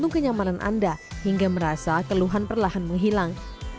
kenyamanan anda hingga merasa keluhan perlahan menghilang